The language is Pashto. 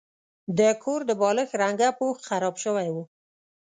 د کور د بالښت رنګه پوښ خراب شوی و.